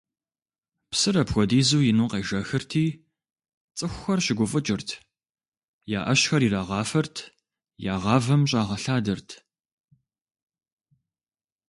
Псыр апхуэдизу ину къежэхырти, цӀыхухэр щыгуфӀыкӀырт: я Ӏэщхэр ирагъафэрт, я гъавэм щӀагъэлъадэрт.